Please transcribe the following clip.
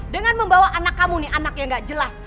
dengan membawa anak kamu nih anak yang gak jelas